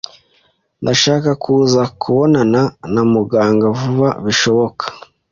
Ndashaka kuza kubonana na muganga vuba bishoboka.